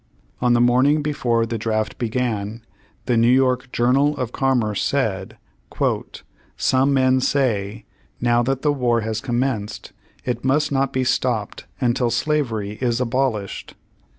On the morning before the draft began, the New York Journal of Com merce said: "Some men say, 'Now that the war has commenced it must not be stopped until slavery is abolished.'